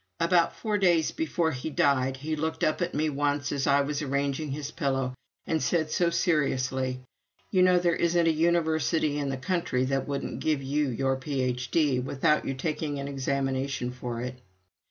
About four days before he died, he looked up at me once as I was arranging his pillow and said, so seriously, "You know, there isn't a university in the country that wouldn't give you your Ph.D. without your taking an examination for it."